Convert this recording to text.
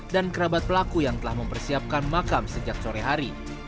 dan kerabat pelaku yang telah mempersiapkan makam sejak sore hari